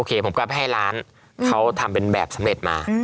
โอเคผมก็ให้ร้านเขาทำเป็นแบบสำเร็จมาอ๋อ